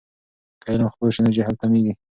که علم خپور سي نو جهل کمېږي.